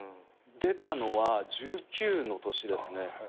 出たのは１９の年ですね。